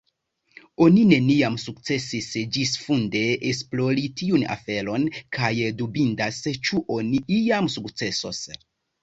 Oni neniam sukcesis ĝisfunde esplori tiun aferon, kaj dubindas ĉu oni iam sukcesos.